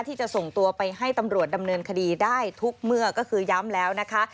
ที่จะส่งตัวไปให้ตำรวจดำเนินคดีได้ทุกเมื่อก็คือย้ำแล้วนะคะ